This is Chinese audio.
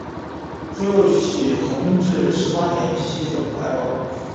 朱佑棨于弘治十八年袭封淮王。